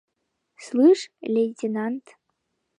Слышь, лейтенант!